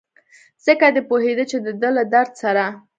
ځکه دی پوهېده چې دده له درد سره.